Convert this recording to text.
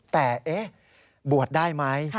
แต่บวชได้ไหม